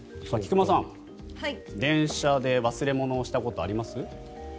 菊間さん、電車で忘れ物をしたことあります？